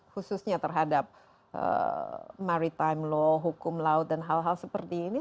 khususnya terhadap maritime law hukum laut dan hal hal seperti ini